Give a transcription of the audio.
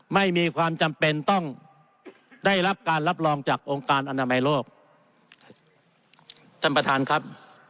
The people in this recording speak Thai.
ไม่มีความจำเป็นต้องได้รับการรับรองจากองค์การอนามัยโลกท่านประธานครับ